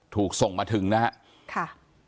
ถูกส่งมาถึงนะครับ